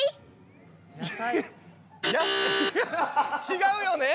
違うよね。